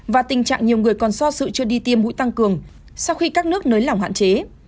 và tình trạng nhiều người còn so sự chưa đi tiêm mũi tăng cường sau khi các nước nới lỏng hạn chế